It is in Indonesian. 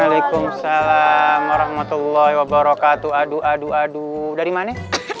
waalaikumsalam warahmatullahi wabarakatuh aduh aduh dari mana